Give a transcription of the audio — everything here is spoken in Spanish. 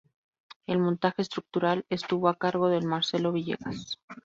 El montaje estructural, estuvo a cargo del Marcelo Villegas.